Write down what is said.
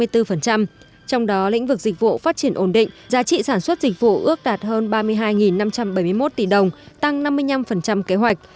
trong đó lĩnh vực dịch vụ phát triển ổn định giá trị sản xuất dịch vụ ước đạt hơn ba mươi hai năm trăm bảy mươi một tỷ đồng tăng năm mươi năm kế hoạch